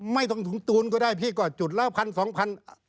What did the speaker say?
ไม่ต้องถุงตูนก็ได้พี่ก็จุดแล้วพันสองพัน